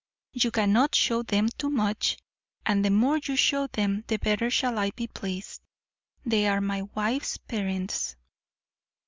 You cannot show them too much, and the more you show them the better shall I be pleased. They are my wife's parents."